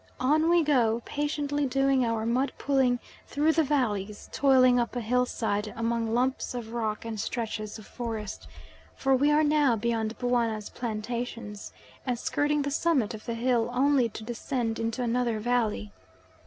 On we go, patiently doing our mud pulling through the valleys; toiling up a hillside among lumps of rock and stretches of forest, for we are now beyond Buana's plantations; and skirting the summit of the hill only to descend into another valley.